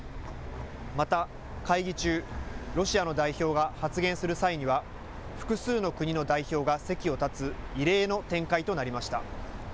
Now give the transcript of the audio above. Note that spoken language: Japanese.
また、会議中ロシアの代表が発言する際には複数の国の代表が席を立つ異例の展開となりました。